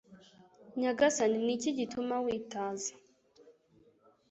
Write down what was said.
Nyagasani ni iki gituma witaza